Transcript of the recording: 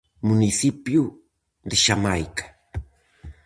Municipio de Xamaica.